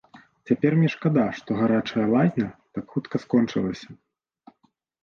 Цяпер мне шкада, што гарачая лазня так хутка скончылася.